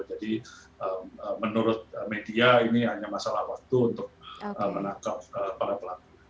jadi menurut media ini hanya masalah waktu untuk menangkap para pelaku